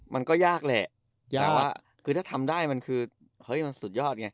มันก็ยากแหละแต่ว่าถ้าทำได้มันคือสุดยอดไง